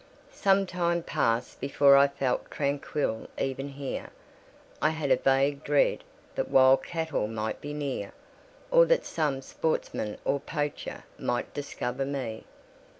Some time passed before I felt tranquil even here: I had a vague dread that wild cattle might be near, or that some sportsman or poacher might discover me.